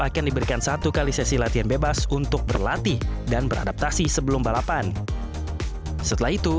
akan diberikan satu kali sesi latihan bebas untuk berlatih dan beradaptasi sebelum balapan setelah itu